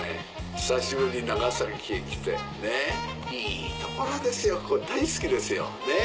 久しぶりに長崎県来ていい所ですよ大好きですよねっ！